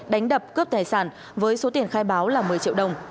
đánh đập cướp tài sản với số tiền khai báo là một mươi triệu đồng